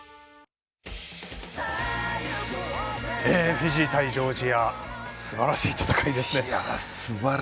フィジー対ジョージアすばらしい戦いですね。